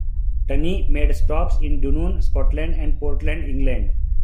Tunny made stops in Dunoon, Scotland and Portland, England.